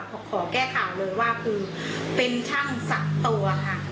ขอแก้ข่าวเลยว่าคือเป็นช่างสักตัวค่ะ